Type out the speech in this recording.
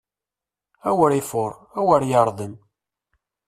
Awer ifuṛ, awer yeṛdem!